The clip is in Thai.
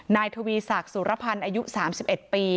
นายทวีศักดิ์สุรพันธ์อายุ๓๑ปี